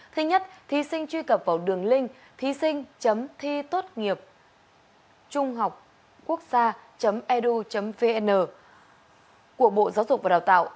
thứ nhất thí sinh truy cập vào đường link thí sinh thitốtnghiệp trunghoc edu vn của bộ giáo dục và đào tạo